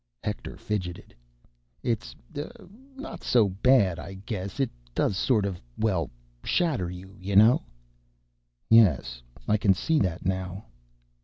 Hector fidgeted. "It's uh, not so bad, I guess—It does sort of, well, shatter you, you know." "Yes I can see that now."